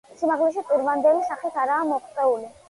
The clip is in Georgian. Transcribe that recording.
სიმაღლეში პირვანდელი სახით არაა მოღწეული.